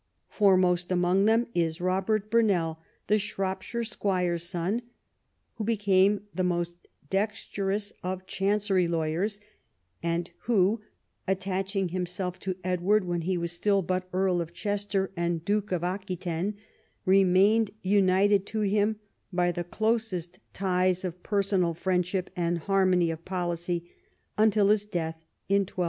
Foremost amongst them is Eobert Burnell, the Shropshire squire's son, who became the most dexterous of Chancery lawyers, and Avho, attaching himself to Edward when he was still but Earl of Chester and Duke of Aquitaine, remained united to him by the closest ties of personal friendship and harmony of policy until his death in 1292.